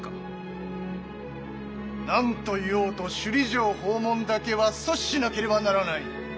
何と言おうと首里城訪問だけは阻止しなければならない！